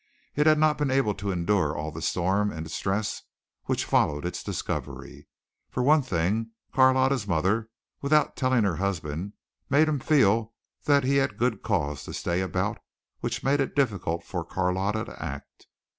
It had not been able to endure all the storm and stress which followed its discovery. For one thing, Carlotta's mother, without telling her husband, made him feel that he had good cause to stay about, which made it difficult for Carlotta to act.